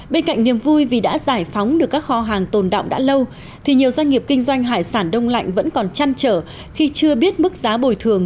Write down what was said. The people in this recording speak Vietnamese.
bên cạnh niềm vui vì đã giải phóng được các kho hàng tồn động đã lâu thì nhiều doanh nghiệp kinh doanh hải sản đông lạnh vẫn còn chăn trở khi chưa biết mức giá bồi thường